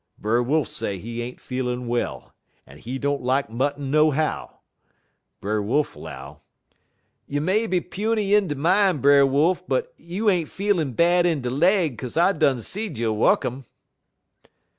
Brer Wolf say he ain't feelin' well, en he don't lak mutton nohow. Brer Fox 'low: "'You may be puny in de min', Brer Wolf, but you ain't feelin' bad in de leg, 'kaze I done seed you wuk um.'